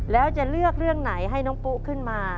แล้วจะเลือกเรื่องไหนให้น้องปุ๊ขึ้นมา